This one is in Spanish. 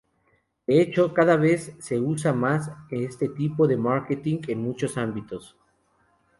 De hecho, cada vez se usa más este tipo de marketing en muchos ámbitos.